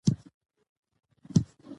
افغانستان د یوریشیا تکتونیک پلیټ برخه ده